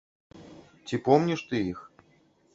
Ці помніш ты іх?